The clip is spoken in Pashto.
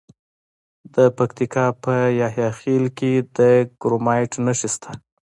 د پکتیکا په یحیی خیل کې د کرومایټ نښې شته.